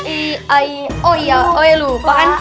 eh eh oh iya lupa kan